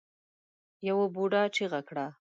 يوه بوډا چيغه کړه.